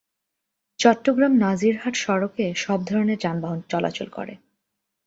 চট্টগ্রাম-নাজিরহাট সড়কে সব ধরনের যানবাহন চলাচল করে।